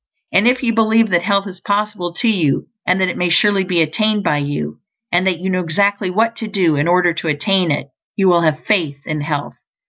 And if you believe that health is possible to you, and that it may surely be attained by you, and that you know exactly what to do in order to attain it, you will have faith in health.